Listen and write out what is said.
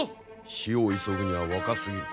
死を急ぐには若すぎる。